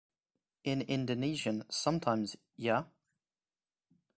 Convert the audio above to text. In Indonesian, sometimes ya?